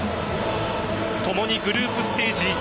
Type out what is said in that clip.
共にグループステージ